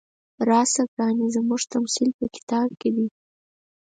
راشه ګرانې زموږ تمثیل په کتاب کې دی.